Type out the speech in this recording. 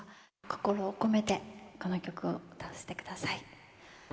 心を込めて、この曲を歌わせてください。